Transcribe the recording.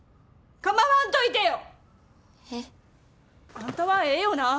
あんたはええよな。